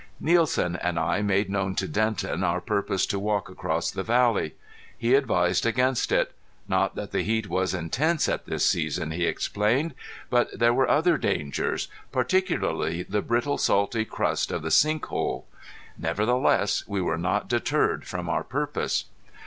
Nielsen and I made known to Denton our purpose to walk across the valley. He advised against it. Not that the heat was intense at this season, he explained, but there were other dangers, particularly the brittle salty crust of the sink hole. Nevertheless we were not deterred from our purpose.